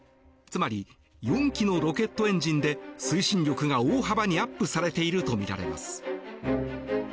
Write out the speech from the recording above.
つまり４基のロケットエンジンで推進力が大幅にアップされているとみられます。